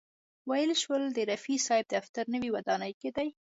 ویل شول د رفیع صاحب دفتر نوې ودانۍ کې دی.